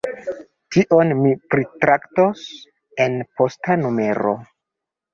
Tion ni pritraktos en posta numero.